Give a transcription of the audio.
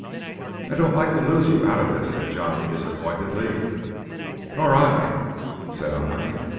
"I don't like to lose you out of this," said Johnny disappointedly. "Nor I," said I.